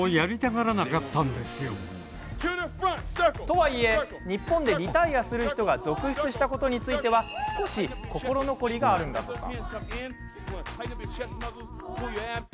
とはいえ、日本でリタイアする人が続出したことについては少し心残りがあるんだとか。